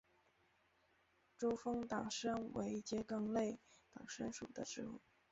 珠峰党参为桔梗科党参属的植物。